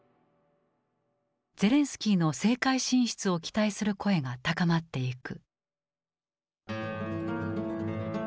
ゼレンスキーの政界進出を期待する声が高まっていく。